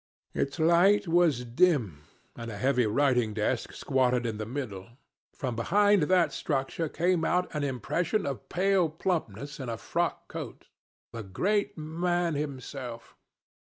Its light was dim, and a heavy writing desk squatted in the middle. From behind that structure came out an impression of pale plumpness in a frock coat. The great man himself.